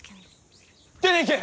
出ていけ！